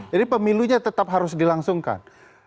pemilunya tetap harus dilangsungkan